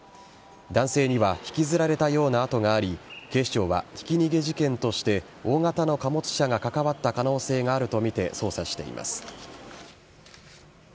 男性には引きずられたような痕があり警視庁は、ひき逃げ事件として大型の貨物車が関わった可能性があるとみて捜査しています。